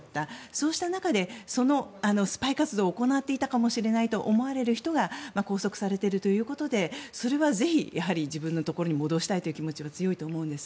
そうした中で、スパイ活動を行っていたかもしれないと思われる人が拘束されているということでそれはぜひ、自分のところに戻したいという気持ちは強いと思うんです。